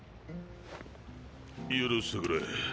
許してくれ。